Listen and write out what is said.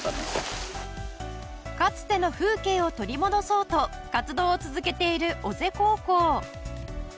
かつての風景を取り戻そうと活動を続けている尾瀬高校。